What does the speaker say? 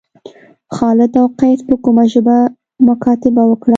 خالد او قیس په کومه ژبه مکاتبه وکړه.